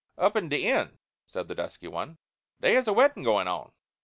"Up in de inn," said the dusky one, "dey is a weddin' goin' on.